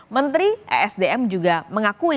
menteri esdm juga mengakui